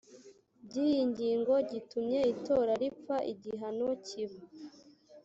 by iyi ngingo gitumye itora ripfa igihano kiba